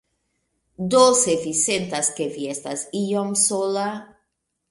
Do se vi sentas, ke vi estas iom sola